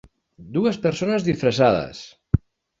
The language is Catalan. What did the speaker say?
Dues persones disfressades.